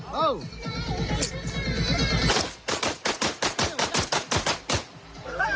อยู่ที่เมื่อกี๊